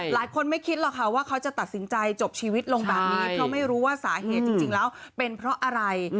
ไม่คิดหรอกค่ะว่าเขาจะตัดสินใจจบชีวิตลงแบบนี้เพราะไม่รู้ว่าสาเหตุจริงแล้วเป็นเพราะอะไร